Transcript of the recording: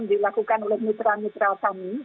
dilakukan oleh mitra mitra kami